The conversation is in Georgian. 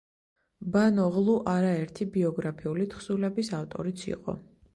ბანოღლუ არა ერთი ბიოგრაფიული თხზულების ავტორიც იყო.